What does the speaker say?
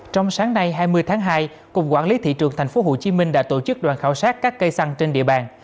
trong sáng nay hai mươi tháng hai cục quản lý thị trường tp hcm đã tổ chức đoàn khảo sát các cây xăng trên địa bàn